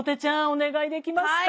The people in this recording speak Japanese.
お願いできますか？